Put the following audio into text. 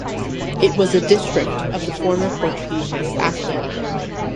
It was a district of the former Portuguese East Africa.